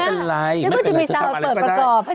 ไม่เป็นไรจะเปิดประกอบ